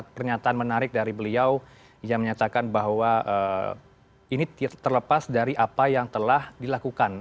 pernyataan menarik dari beliau yang menyatakan bahwa ini terlepas dari apa yang telah dilakukan